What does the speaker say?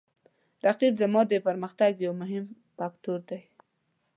رقیب زما د پرمختګ یو مهم فکتور دی